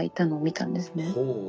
ほう。